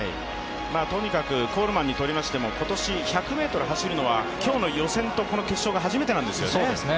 とにかくコールマンにとりましても、今年１００ｍ走るのは今日の予選と決勝が初めてなんですよね。